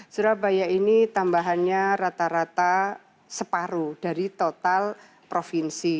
surabaya ini tambahannya rata rata separuh dari total provinsi